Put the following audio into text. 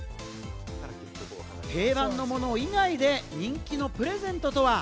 定番のもの以外で人気のプレゼントとは？